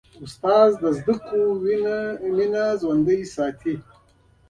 استاد د زدهکړو مینه ژوندۍ ساتي.